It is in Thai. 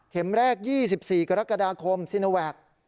เข็มแรก๒๔กรกฎาคมสินวักษณ์